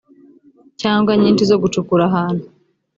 cyangwa nyinshi zo gucukura ahantu